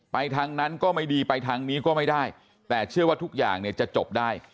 ทางนั้นก็ไม่ดีไปทางนี้ก็ไม่ได้แต่เชื่อว่าทุกอย่างเนี่ยจะจบได้